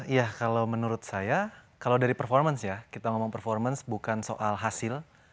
ya kalau menurut saya kalau dari performance ya kita ngomong performance bukan soal hasil